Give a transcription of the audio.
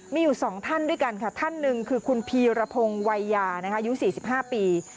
มีอยู่๒ท่านด้วยกันค่ะท่านหนึ่งคือคุณพีรพงศ์วัยยาอายุ๔๕ปี